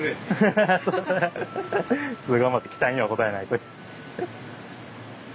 それは頑張って期待には応えないと。